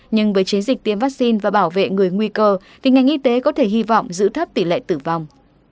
nhưng với chiến dịch tiêm vaccine và bảo vệ người nguy cơ thì ngành y tế có thể hy vọng giữ thấp tỷ lệ tử vong